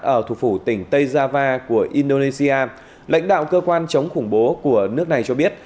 ở thủ phủ tỉnh tây java của indonesia lãnh đạo cơ quan chống khủng bố của nước này cho biết